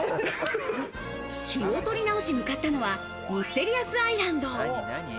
気を取り直し向かったのは、ミステリアスアイランド。